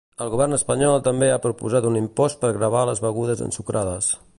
El govern espanyol també ha proposat un impost per gravar les begudes ensucrades.